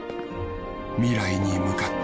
未来に向かって。